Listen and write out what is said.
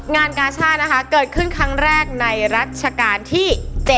งานการ์ช่านะคะเกิดขึ้นครั้งแรกในรัชการที่๗ค่ะ